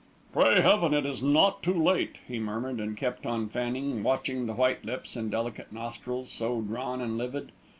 "Pray heaven it is not too late!" he murmured, and kept on fanning, watching the white lips and delicate nostrils, so drawn and livid.